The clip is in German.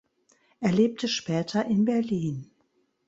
Er lebte später in Berlin.